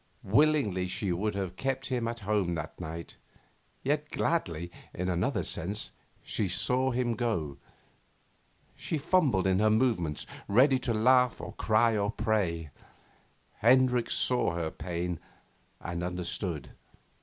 Willingly she would have kept him at home that night, yet gladly, in another sense, she saw him go. She fumbled in her movements, ready to laugh or cry or pray. Hendricks saw her pain and understood.